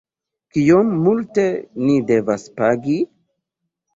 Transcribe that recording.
kiom multe ni devas pagi?